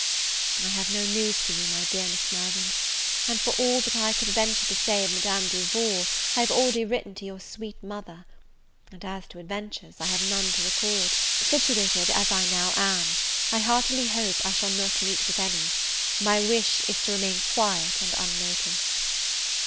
I have no news for you, my dear Miss Mirvan; for all that I could venture to say of Madame Duval I have already written to your sweet mother; and as to adventures, I have none to record. Situated as I now am, I heartily hope I shall not meet with any; my wish is to remain quiet and unnoticed.